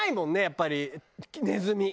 やっぱりネズミ。